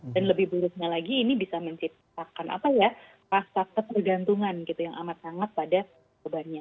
dan lebih buruknya lagi ini bisa menciptakan apa ya rasa kepergantungan gitu yang amat amat pada korbannya